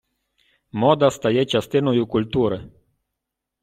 Мода стає частиною культури.